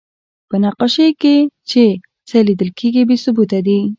په نقاشۍ کې چې څه لیدل کېږي، بې ثبوته دي.